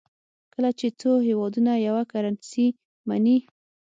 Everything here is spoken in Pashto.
کله چې څو هېوادونه یوه کرنسي مني.